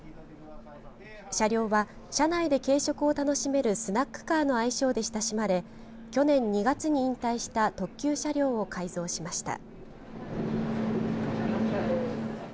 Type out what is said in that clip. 車両は、車内で軽食を楽しめるスナックカーの愛称で親しまれ去年２月に引退した特急車両を改造しました。